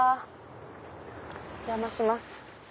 お邪魔します。